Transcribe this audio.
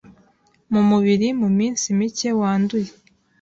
mu mubiri mu minsi micye wanduye